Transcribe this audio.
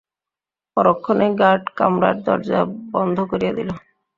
পরক্ষণেই গার্ড কামরার দরজা বন্ধ করিয়া দিল।